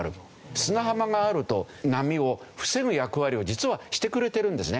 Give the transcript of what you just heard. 砂浜があると波を防ぐ役割を実はしてくれてるんですね。